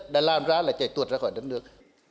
đã làm ra là chạy tuột ra khỏi đất nước